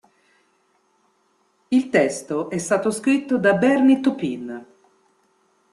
Il testo è stato scritto da Bernie Taupin.